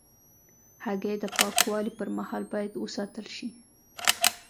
هګۍ د پاکوالي پر مهال باید وساتل شي.